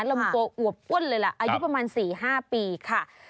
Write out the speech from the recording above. ลำตัวอวบอ้วนเลยล่ะอายุประมาณ๔๕ปีค่ะ